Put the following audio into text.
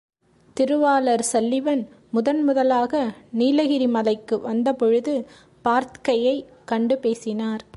திருவாளர் சல்லிவன் முதன் முதலாக நீலகிரி மலைக்கு வந்தபொழுது, பார்த்கையைக் கண்டு பேசினார்.